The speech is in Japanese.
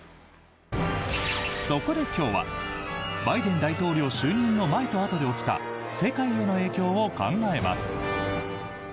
そこで今日はバイデン大統領就任の前とあとで起きた世界への影響を考えます。